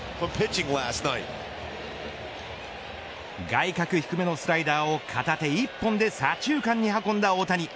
外角低めのスライダーを片手一本で左中間に運んだ大谷。